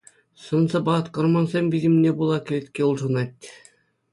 Сӑн-сӑпат, гормонсен витӗмне пула кӗлетке улшӑнать.